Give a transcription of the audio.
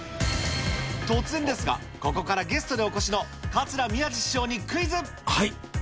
突然ですが、ここからゲストでお越しの桂宮治師匠にクイズ。